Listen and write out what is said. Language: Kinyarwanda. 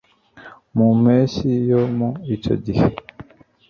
mu mpeshyi yo mu icyo gihe